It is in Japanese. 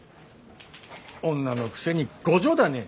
女のくせに強情だね。